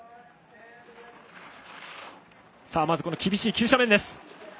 まず厳しい急斜面です。